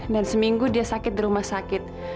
dan seminggu dia sakit di rumah sakit